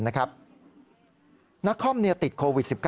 นครติดโควิด๑๙